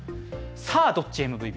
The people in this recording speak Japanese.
さあ、どっちがＭＶＰ。